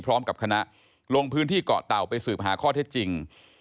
พร้อมกับคณะลงพื้นที่เกาะเต่าไปสืบหาข้อเท็จจริง